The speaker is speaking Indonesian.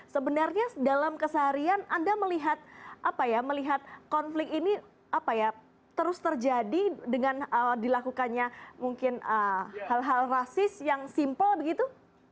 sebenarnya dalam keseharian anda melihat konflik ini terus terjadi dengan dilakukannya mungkin hal hal rasis yang simpel begitu